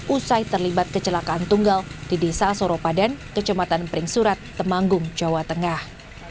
usai terlibat kecelakaan tunggal di desa soropadan kecematan pring surat temanggung jawa tengah